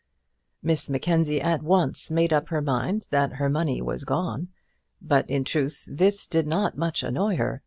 Miss Mackenzie at once made up her mind that her money was gone! But, in truth, this did not much annoy her.